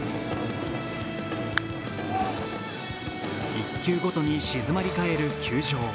１球ごとに静まりかえる球場。